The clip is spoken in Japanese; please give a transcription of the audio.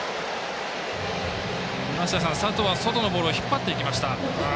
佐藤は外のボール引っ張っていきました。